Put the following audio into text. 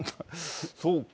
そうか。